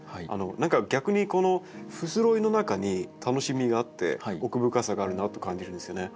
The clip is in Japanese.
何か逆にこの不ぞろいの中に楽しみがあって奥深さがあるなと感じるんですよね。